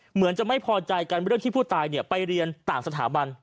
เหมือนจะไม่พอใจกันเรื่องที่ผู้ตายไปเรียนต่างสถาบัน